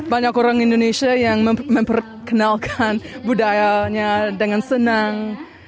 banyak orang indonesia yang memperkenalkan budayanya dengan senang